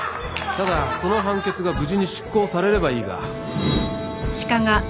ただその判決が無事に執行されればいいが。